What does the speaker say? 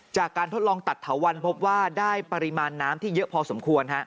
จากการทดลองตัดเถาวันพบว่าได้ปริมาณน้ำที่เยอะพอสมควร